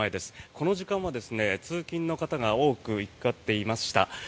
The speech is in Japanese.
この時間は通勤の方が多く行き交っています。